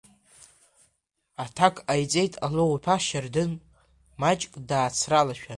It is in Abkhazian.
Аҭак ҟаиҵеит Алоу-иԥа Шьардын маҷк даацралашәа.